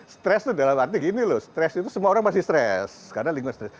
stress itu dalam arti gini loh stres itu semua orang masih stres karena lingkungan stres